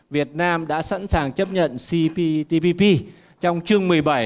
việt nam đã sẵn sàng chấp nhận cptpp trong chương một mươi bảy